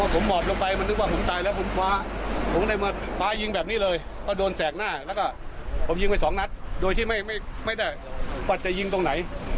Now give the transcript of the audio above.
แสกหน้าแล้วก็บอกจะยิงไป๒นัดโดยที่ไม่ได้ปัจจัยยิงตรงไหน